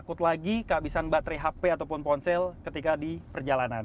takut lagi kehabisan baterai hp ataupun ponsel ketika di perjalanan